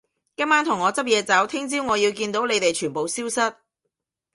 今晚同我執嘢走，聽朝我要見到你哋全部消失